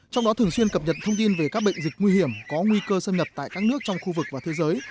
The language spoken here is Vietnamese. trong đó thường xuyên cập nhật thông tin về các bệnh dịch nguy hiểm có nguy cơ xâm nhập tại các nước trong khu vực và thế giới